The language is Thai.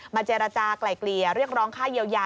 เจรจากลายเกลี่ยเรียกร้องค่าเยียวยา